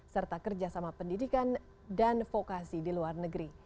serta kerjasama pendidikan dan vokasi di luar negeri